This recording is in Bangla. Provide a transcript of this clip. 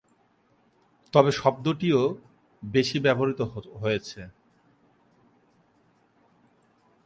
তবে শব্দটিও বেশি ব্যবহৃত হয়েছে।